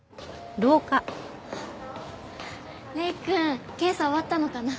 礼くん検査終わったのかな？